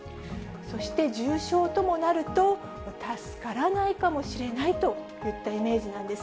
そして重症ともなると、助からないかもしれないといったイメージなんです。